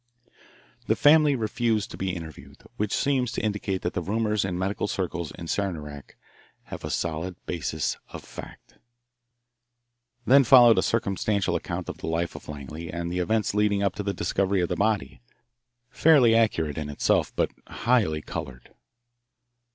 The family refuse to be interviewed, which seems to indicate that the rumours in medical circles in Saranac have a solid basis of fact. Then followed a circumstantial account of the life of Langley and the events leading up to the discovery of the body fairly accurate in itself, but highly coloured.